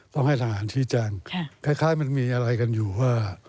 ต้องให้ทหารชี้แจงคล้ายมันมีอะไรกันอยู่ว่า